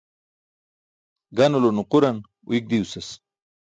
Ganulo nuquran uiyk diwsas.